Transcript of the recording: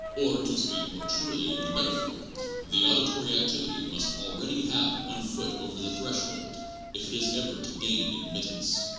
Or, to speak more truly in the metaphor, the audi tory activity must already have one foot over the threshold, if it is ever to gain admittance.